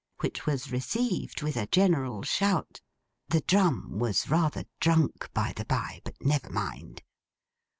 Which was received with a general shout. The Drum was rather drunk, by the bye; but, never mind.